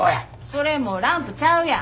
それもうランプちゃうやん。